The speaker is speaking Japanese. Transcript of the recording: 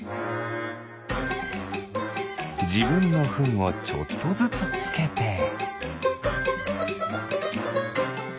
じぶんのフンをちょっとずつつけて。